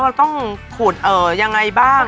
ว่าต้องขูดอย่างไรบ้าง